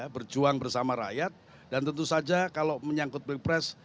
berjuang bersama rakyat dan tentu saja kalau menyangkut pilpres